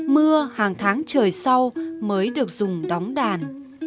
mưa hàng tháng trời sau mới được dùng đóng đàn